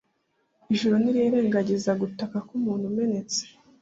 ijuru ntirirengagiza gutaka k'umutima umenetse